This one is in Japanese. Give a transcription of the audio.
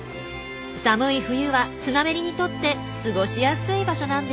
寒い冬はスナメリにとって過ごしやすい場所なんですよ。